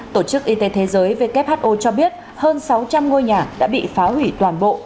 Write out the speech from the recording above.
tổ chức y tế thế giới who cho biết hơn sáu trăm linh ngôi nhà đã bị phá hủy toàn bộ